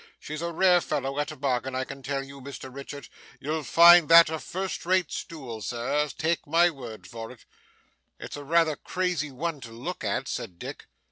She's a rare fellow at a bargain, I can tell you, Mr Richard. You'll find that a first rate stool, Sir, take my word for it.' 'It's rather a crazy one to look at,' said Dick.